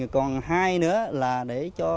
còn hai nữa là để cho